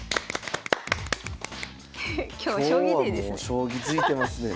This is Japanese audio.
今日は将棋デーですね。